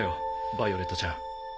ヴァイオレットちゃん。